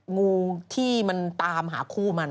งูที่มันตามหาคู่มัน